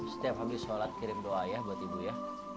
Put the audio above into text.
setiap hari sholat kirim doa ya buat ibu ya